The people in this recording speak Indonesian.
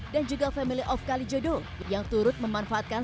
dan juga family of kalijodo yang turut memanfaatkan